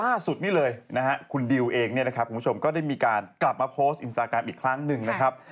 ล่าสุดนี่เลยนะฮะคุณดิวเองเนี่ยนะครับคุณผู้ชมก็ได้มีการกลับมาโพสต์อินสตาแกรมอีกครั้งหนึ่งนะครับ